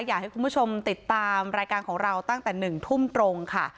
อยากให้คุณผู้ชมติดตามรายการของเราตั้งแต่๑ทุ่มตรงค่ะ